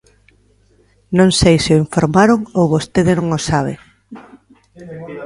Non sei se o informaron ou vostede non o sabe.